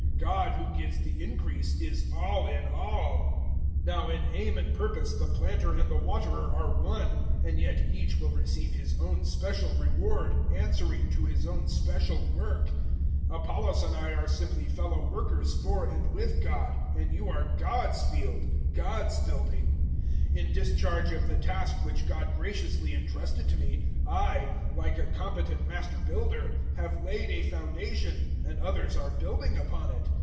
God who gives the increase is all in all. 003:008 Now in aim and purpose the planter and the waterer are one; and yet each will receive his own special reward, answering to his own special work. 003:009 Apollos and I are simply fellow workers for and with God, and you are *God's* field God's* building. 003:010 In discharge of the task which God graciously entrusted to me, I like a competent master builder have laid a foundation, and others are building upon it.